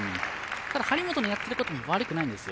ただ、張本のやっていることも悪くないんですよ。